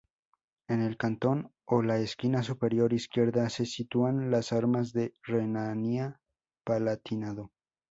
En el cantón, o la esquina superior izquierda, se sitúan las armas de Renania-Palatinado.